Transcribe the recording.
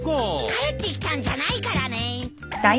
帰ってきたんじゃないからね。